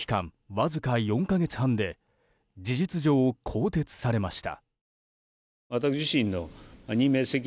わずか４か月半で事実上更迭されました。